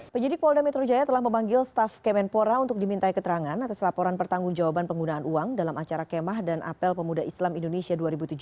penyidik polda metro jaya telah memanggil staff kemenpora untuk diminta keterangan atas laporan pertanggung jawaban penggunaan uang dalam acara kemah dan apel pemuda islam indonesia dua ribu tujuh belas